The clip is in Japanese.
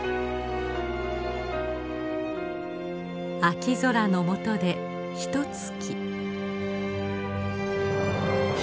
秋空の下でひとつき。